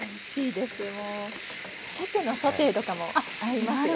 さけのソテーとかも合いますよ。